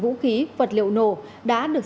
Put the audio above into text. vũ khí vật liệu nổ đã được